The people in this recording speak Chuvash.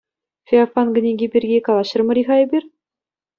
Феофан кӗнеки пирки калаҫрӑмӑр-и-ха эпир?